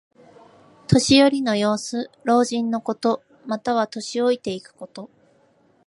年寄りの様子。老人のこと。または、年老いていくこと。